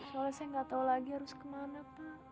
soalnya saya gak tau lagi harus kemana pak